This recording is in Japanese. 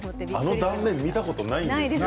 あの断面見たことないですよね。